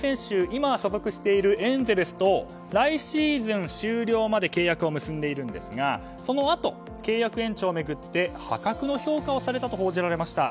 今所属しているエンゼルスと来シーズン終了まで契約を結んでいるんですがそのあと、契約延長を巡って破格の評価をされたと報じられました。